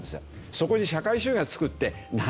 そこに「社会主義」が付くって何？